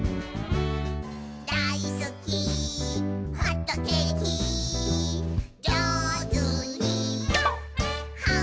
「だいすきホットケーキ」「じょうずにはんぶんこ！」